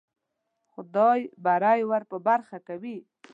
خدای بری ور په برخه کوي.